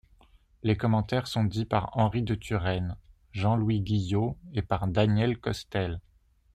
Les commentaires sont dits par Henri de Turenne, Jean-Louis Guillaud et par Daniel Costelle.